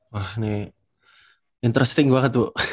wah ini interesting banget tuh